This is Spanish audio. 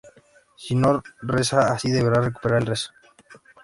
Si no reza así, deberá recuperar el Rezo.